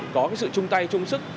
có sự chung tay chung sức